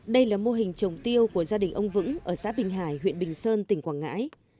đây là mô hình trồng tiêu của gia đình ông vững ở xã bình hải huyện bình sơn tỉnh quảng ngãi